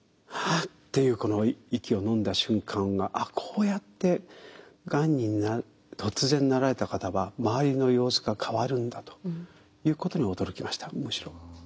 「は」っていうこの息をのんだ瞬間がこうやってがんに突然なられた方は周りの様子が変わるんだということに驚きましたむしろ。